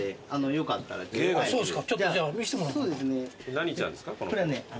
何ちゃんですか